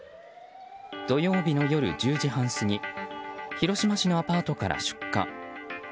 土曜日の夜１０時半過ぎ広島市のアパートから出火。